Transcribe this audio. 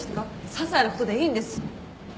ささいなことでいいんです。